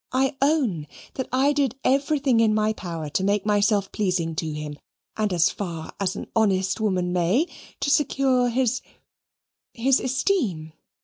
"I own that I did everything in my power to make myself pleasing to him, and as far as an honest woman may, to secure his his esteem.